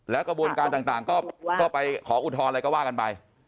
กระบวนการต่างก็ไปขออุทธรณ์อะไรก็ว่ากันไป